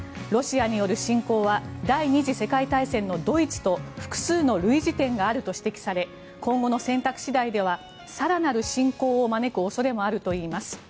ロシアによる侵攻は第２次世界大戦のドイツと複数の類似点があると指摘され今後の選択次第では更なる侵攻を招く恐れもあるといいます。